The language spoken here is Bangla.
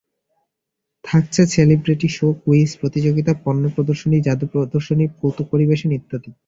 থাকছে সেলিব্রেটি শো, কুইজ প্রতিযোগিতা, পণ্য প্রদর্শনী, জাদু প্রদর্শনী, কৌতুক পরিবেশন ইত্যাদি।